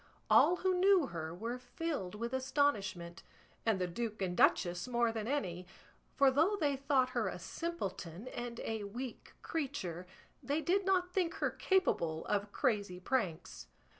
All who knew her were filled with astonishment, and the duke and duchess more than any; for though they thought her a simpleton and a weak creature, they did not think her capable of crazy pranks.